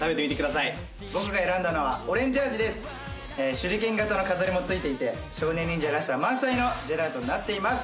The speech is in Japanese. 手裏剣型の飾りもついていて少年忍者らしさ満載のジェラートになっています。